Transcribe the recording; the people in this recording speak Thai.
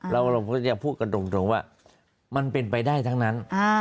เราก็จะพูดกันตรงว่ามันเป็นไปได้ทั้งนั้น